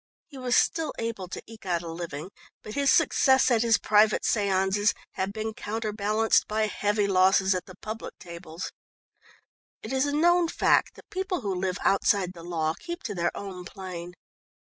He was still able to eke out a living, but his success at his private séances had been counter balanced by heavy losses at the public tables. It is a known fact that people who live outside the law keep to their own plane.